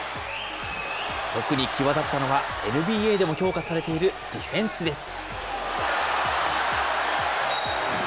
特に際立ったのは、ＮＢＡでも評価されているディフェンスです。